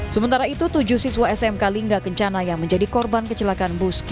sementara itu tujuh siswa smk lingga kencana yang menjadi korban kecelakaan bus